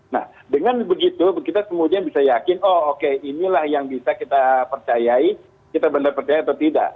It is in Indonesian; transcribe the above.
nah dengan begitu kita kemudian bisa yakin oh oke inilah yang bisa kita percayai kita benar percaya atau tidak